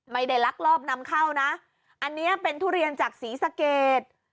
ลักลอบนำเข้านะอันนี้เป็นทุเรียนจากศรีสะเกด